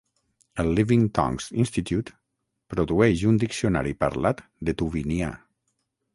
El Living Tongues Institute produeix un diccionari parlat de tuvinià.